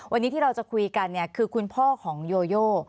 วันนี้ที่เราจะคุยกันเนี่ยคือคุณพ่อของโยโย